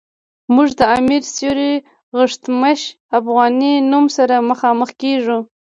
موږ د امیر سیورغتمش افغانی نوم سره مخامخ کیږو.